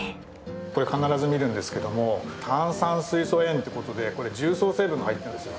これ必ず見るんですけども炭酸水素塩って事でこれ重曹成分が入ってるんですよ。